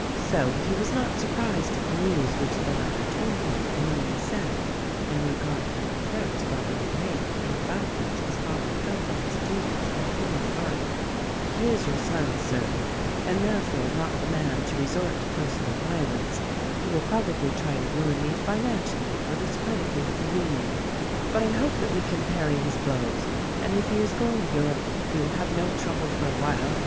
So he was not surprised at the news which the lat ter told him, and only said — in regard to the threats Robert had made and about which his father felt it his duty to inform Arndt — "He is your son, Sir, and therefore not the man to resort to personal violence; he will probably try to ruin me financially or discredit me with the Union; but I hope that we can parry his blows; and, if he is going to Europe, we will have no trouble for a while.